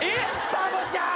バボちゃん！